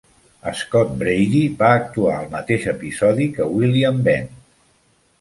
Scott Brady va actuar al mateix episodi que William Bent.